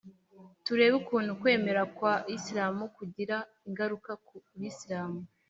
turebe ukuntu ukwemera kwa isilamu kugira ingaruka ku bisilamu